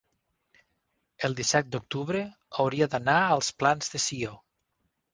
el disset d'octubre hauria d'anar als Plans de Sió.